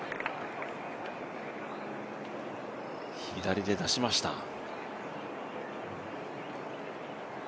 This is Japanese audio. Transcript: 左で出しました。